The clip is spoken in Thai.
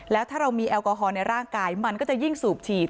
แล้วถ้าเรามีแอลกอฮอลในร่างกายมันก็จะยิ่งสูบฉีด